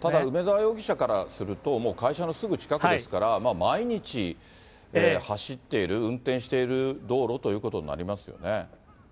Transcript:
ただ梅沢容疑者からすると、もう会社のすぐ近くですから、毎日走っている、運転している道路ということになりますよね。